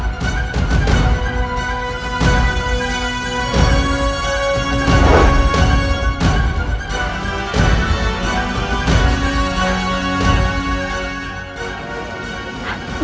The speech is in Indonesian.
dan juga mencari tempat untuk mencari